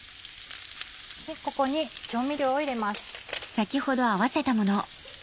ここに調味料を入れます。